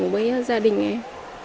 với gia đình em